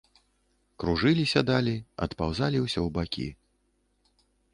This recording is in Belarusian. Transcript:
Кружыліся далі, адпаўзалі ўсё ў бакі.